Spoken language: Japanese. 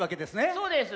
そうです！